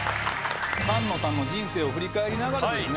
菅野さんの人生を振り返りながらですね